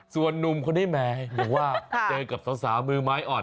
ส่วนหนุ่มเขาได้แม้อย่างว่าเจอกับสาวเมื่อไม้อ่อน